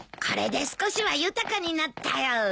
これで少しは豊かになったよ。